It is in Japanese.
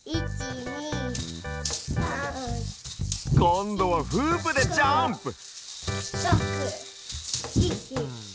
こんどはフープでジャンプ！